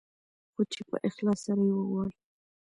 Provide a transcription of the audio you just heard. خو چې په اخلاص سره يې وغواړې.